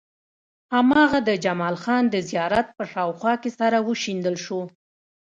هماغه د جمال خان د زيارت په شاوخوا کې سره وشيندل شو.